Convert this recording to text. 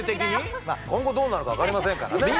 まあ今後どうなるか分かりませんからね。